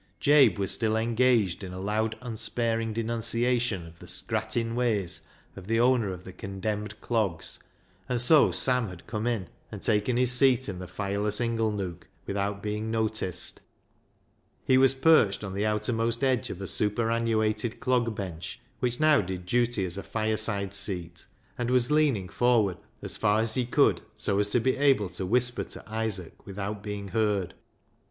Jabe was still engaged in a loud unsparing denunciation of the " scrattin' ways " of the owner of the condemned clogs, and so Sam had come in and taken his seat in the fireless inglenook without being noticed. He was perched on the outermost edge of a superannuated clog bench, which now did duty as a fireside seat, and was leaning forward as far as he could so as to be able to whisper to Isaac without being heard.